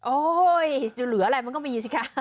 โอ้โหหรืออะไรมันก็มีสิคะ